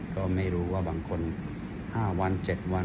ก็ไม่รู้ว่า๕วัน๗วัน